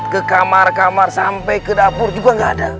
ke kamar kamar sampe ke dapur juga gak ada